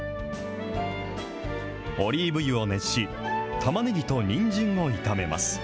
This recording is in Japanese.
オリーブ油を熱し、たまねぎとにんじんを炒めます。